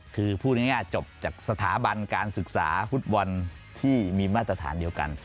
คือพูดง่ายจบจากสถาบันการศึกษาฟุตบอลที่มีมาตรฐานเดียวกัน